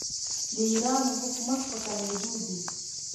د ایران اوبه مخ په کمیدو دي.